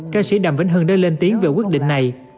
ca sĩ đàm vĩnh hưng đã lên tiếng về quyết định này